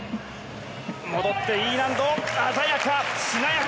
戻ってＥ難度鮮やか、しなやか！